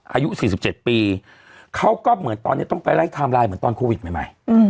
อายุ๔๗ปีเขาก็เหมือนตอนนี้ต้องไปไล่ไทม์ไลน์เหมือนตอนโควิดใหม่